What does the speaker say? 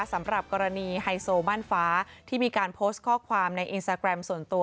สำหรับกรณีไฮโซบ้านฟ้าที่มีการโพสต์ข้อความในอินสตาแกรมส่วนตัว